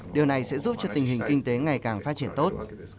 điều này sẽ giúp cho tình hình kinh tế ngày càng phát triển tốt